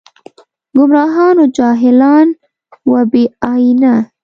ګمراهان و جاهلان و بې ائينه